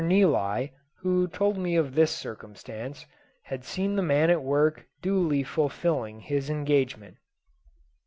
Neligh, who told me of this circumstance, had seen the man at work duly fulfilling his engagement.